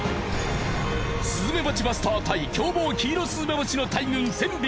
スズメバチバスター対凶暴キイロスズメバチの大群１，０００匹。